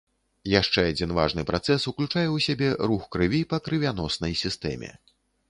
Яшчэ адзін важны працэс уключае ў сябе рух крыві па крывяноснай сістэме.